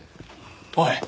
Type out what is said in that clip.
おい！